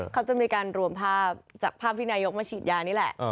เขาจะมีการรวมภาพจากภาพที่นายกมาฉีดยานี่แหละ